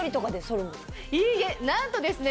いいえなんとですね